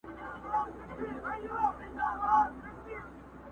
o پردى مال نه خپلېږي!